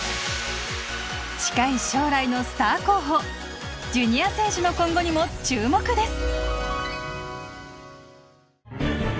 近い将来のスター候補ジュニア選手の今後にも注目です。